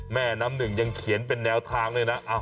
แม่น้ำหนึ่งยังเขียนเป็นแนวทางเลยนะ